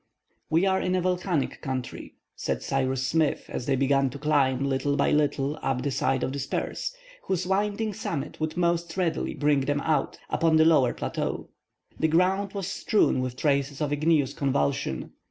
"We are in a volcanic country," said Cyrus Smith, as they began to climb, little by little, up the side of the spurs, whose winding summit would most readily bring them out upon the lower plateau. The ground was strewn with traces of igneous convulsion.